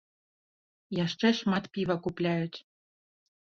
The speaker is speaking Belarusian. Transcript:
Яшчэ шмат піва купляюць.